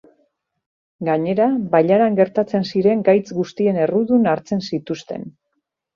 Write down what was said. Gainera, bailaran gertatzen ziren gaitz guztien errudun hartzen zituzten.